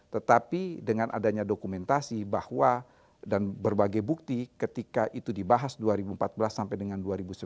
tetapi dengan adanya dokumentasi bahwa dan berbagai bukti ketika itu dibahas dua ribu empat belas sampai dengan dua ribu sembilan belas